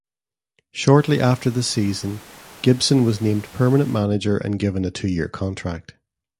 Shortly after the season, Gibson was named permanent manager and given a two-year contract.